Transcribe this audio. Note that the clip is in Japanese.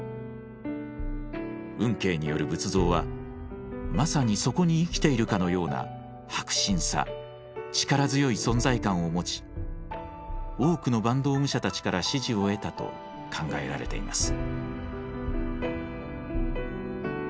運慶による仏像はまさにそこに生きているかのような迫真さ力強い存在感を持ち多くの坂東武者たちから支持を得たと考えられています。